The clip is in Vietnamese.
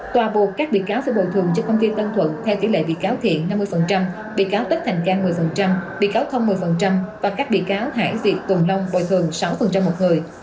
tòa bột các bị cáo phải bồi thường cho công ty tân thuận theo tỷ lệ bị cáo thiện năm mươi bị cáo tất thành can một mươi bị cáo thông một mươi và các bị cáo hải diện tùm lông bồi thường sáu một người